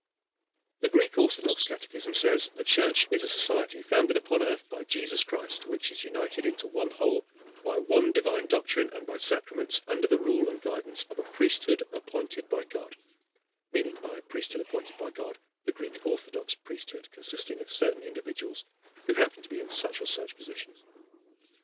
"] The Greek Orthodox catechism says: "The Church is a society founded upon earth by Jesus Christ, which is united into one whole, by one divine doctrine and by sacraments, under the rule and guidance of a priesthood appointed by God," meaning by the "priesthood appointed by God" the Greek Orthodox priesthood, consisting of certain individuals who happen to be in such or such positions.